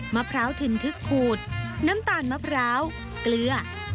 มะพร้าวถิ่นทึกขูดน้ำตาลมะพร้าวเกลือ